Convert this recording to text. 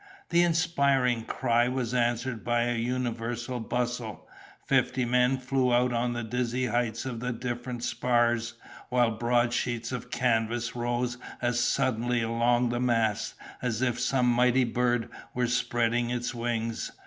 The inspiring cry was answered by a universal bustle; fifty men flew out on the dizzy heights of the different spars, while broad sheets of canvas rose as suddenly along the masts, as if some mighty bird were spreading its wings.